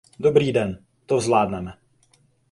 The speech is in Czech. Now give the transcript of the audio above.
Dobrý den, to zvládneme.